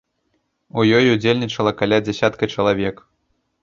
У ёй удзельнічала каля дзясятка чалавек.